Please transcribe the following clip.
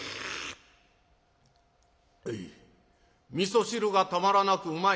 「みそ汁がたまらなくうまい」。